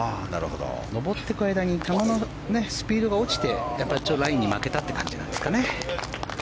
上っていく間に球のスピードが落ちてラインに負けたって感じですかね。